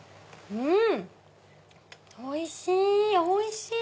うん！